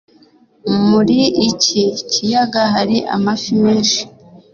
muri iki kiyaga hari amafi menshi